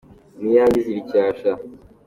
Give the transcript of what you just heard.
Ni inyange izira icyasha.